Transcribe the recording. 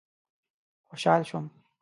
خوشحال شوم.